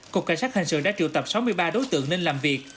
cục cảnh sát hình sự đã triệu tập sáu mươi ba đối tượng nên làm việc